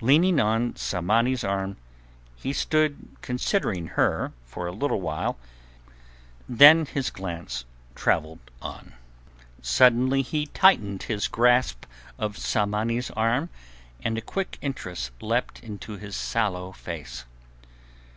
Leaning on Tsamanni's arm, he stood considering her for a little while; then his glance travelled on. Suddenly he tightened his grasp of Tsamanni's arm and a quick interest leapt into his sallow face.